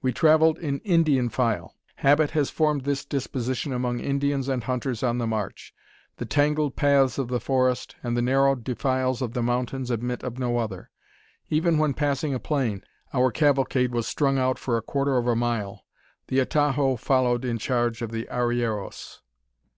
We travelled in Indian file. Habit has formed this disposition among Indians and hunters on the march. The tangled paths of the forest, and the narrow defiles of the mountains admit of no other. Even when passing a plain, our cavalcade was strung out for a quarter of a mile. The atajo followed in charge of the arrieros.